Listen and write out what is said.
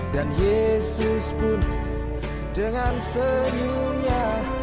dan yesus pun dengan senyumnya